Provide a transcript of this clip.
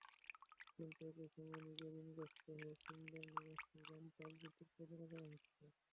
কিন্তু একই সময়ে নিজেরা ঋণগ্রস্ত হয়ে সুন্দরবনবিনাশী রামপাল বিদ্যুৎকেন্দ্র করা হচ্ছে।